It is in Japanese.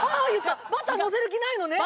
バター載せる気ないのね。